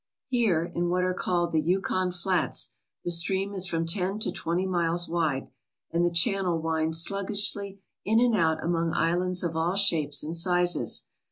Here in what are called the Yukon flats the stream is from ten to twenty miles wide, and the channel winds slug gishly in and out among islands of all shapes and sizes.